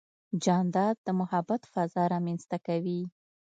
جانداد د محبت فضا رامنځته کوي.